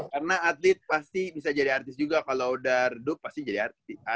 karena atlet pasti bisa jadi artis juga kalau udah redup pasti jadi artis